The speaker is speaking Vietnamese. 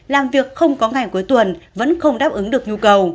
làm việc không có ngày cuối tuần vẫn không đáp ứng được nhu cầu